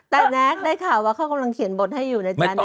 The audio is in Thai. แต่แน็กได้ข่าวว่าเขากำลังเขียนบทให้อยู่ในใจ